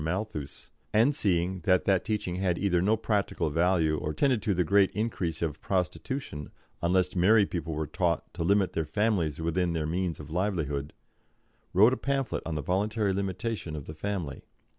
Malthus, and seeing that that teaching had either no practical value or tended to the great increase of prostitution, unless married people were taught to limit their families within their means of livelihood wrote a pamphlet on the voluntary limitation of the family.